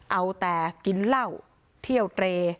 เอาแต่กินเหล้าเที่ยวเตร